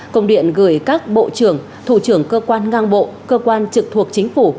công điện gửi các bộ trưởng thủ trưởng cơ quan ngang bộ cơ quan trực thuộc chính phủ